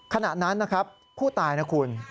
ขณะนั้นนะครับผู้ตายนะคุณ